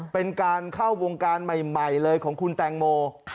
เป็นการเข้าวงการใหม่เลยของคุณแตงโม